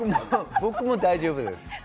僕も大丈夫です。